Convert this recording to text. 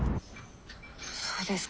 そうですか。